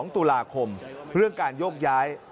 ๒ตุลาคมเรื่องการโยกย้าย